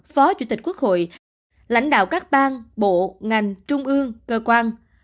phó chủ tịch quốc hội lãnh đạo các bang bộ ngành trung ương cơ quan